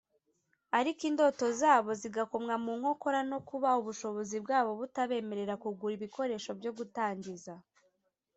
ariko indoto zabo zigakomwa mu nkokora no kuba ubushobozo bwabo butabemerera kugura ibikoresho byo gutangiza